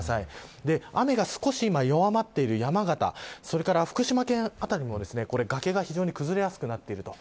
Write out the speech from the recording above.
今雨が少し弱まっている山形福島県辺りも崖が崩れやすくなっていると。